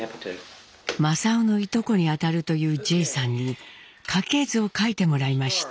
正雄のいとこにあたるというジェイさんに家系図を書いてもらいました。